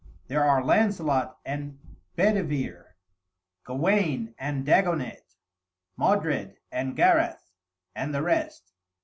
There are Lancelot and Bedivere, Gawaine and Dagonet, Modred and Gareth, and the rest.